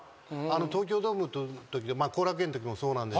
東京ドームのとき後楽園のときもそうなんですけど。